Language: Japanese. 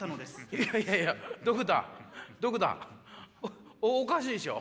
いやいやいやドクターおかしいでしょう。